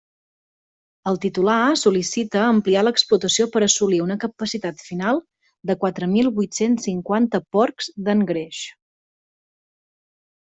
El titular sol·licita ampliar l'explotació per assolir una capacitat final de quatre mil vuit-cents cinquanta porcs d'engreix.